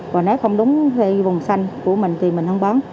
và nếu không đúng thì vùng xanh của mình thì mình không bán